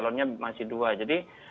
jadi bagaimana saya ya